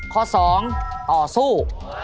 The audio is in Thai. ข้อสองต่อสู้